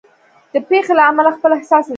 د پېښې له امله خپل احساس ولیکئ.